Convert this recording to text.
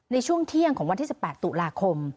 ในช่วงเที่ยงของวันที่๑๘ตุลาคม